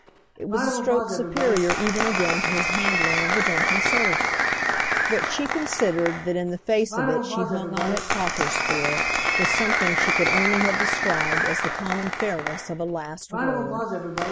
It was a stroke superior even again to his handling of the drunken soldier. What she considered that in the face of it she hung on at Cocker's for was something she could only have described as the common fairness of a last word.